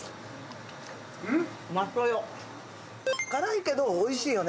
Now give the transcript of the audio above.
辛いけどおいしいよね